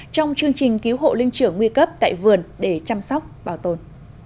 trong chương trình cứu hộ linh trưởng nguy cấp tại vườn để chăm sóc bảo tồn